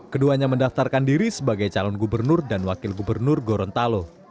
keduanya mendaftarkan diri sebagai calon gubernur dan wakil gubernur gorontalo